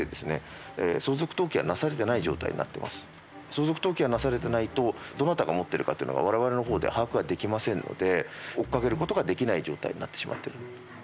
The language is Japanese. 相続登記がなされてないとどなたが持ってるかっていうのは我々のほうでは把握ができませんので追っかける事ができない状態になってしまっている。